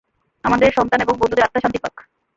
আমাদের সন্তান এবং বন্ধুদের আত্মা শান্তি পাক।